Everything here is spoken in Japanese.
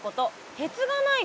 鉄がないと。